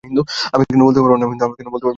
আমি কেন বলতে পারব না আমি হিন্দু?